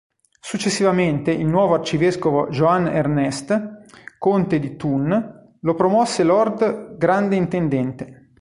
Successivamente, il nuovo arcivescovo Johann Ernst, conte di Thun, lo promosse Lord grande intendente.